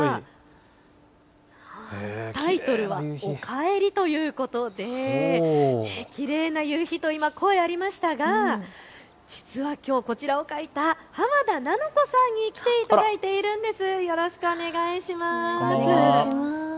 タイトルはおかえりということできれいな夕日という声もありましたが実はきょうこちらを描いた濱田菜乃子さんに来ていただいているんです。